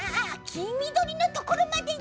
きみどりのところまでいった！